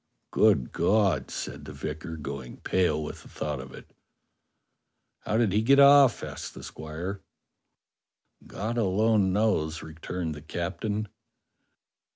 "Good God!" said the vicar, going pale with the thought of it. "How did he get off?" asked the squire. "God alone knows," returned the captain.